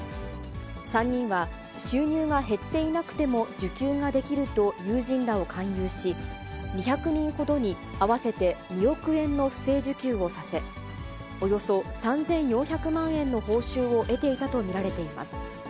３人は、収入が減っていなくても受給ができると友人らを勧誘し、２００人ほどに合わせて２億円の不正受給をさせ、およそ３４００万円の報酬を得ていたと見られています。